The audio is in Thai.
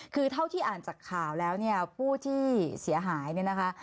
คือเท่าที่อ่านจากข่าวแล้วเนี่ยผู้ที่เสียหายเนี่ยนะคะ